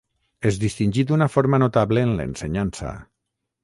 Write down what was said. Es distingí d'una forma notable en l'ensenyança.